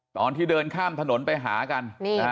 ตอนที่เดินข้ามถนนไปหากัน